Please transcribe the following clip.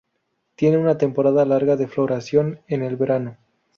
Tiene una temporada larga de floración en el verano.